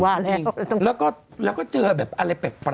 ว่าแล้วต้องแล้วก็เจอแบบอะไรแปลกก็เยอะ